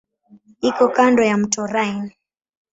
Iko kando ya mto Rhine.